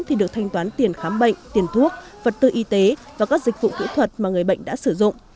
thì được thanh toán tiền khám bệnh tiền thuốc vật tư y tế và các dịch vụ kỹ thuật mà người bệnh đã sử dụng